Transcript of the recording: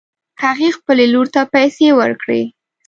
هغې خپلې لور ته پیسې ورکړې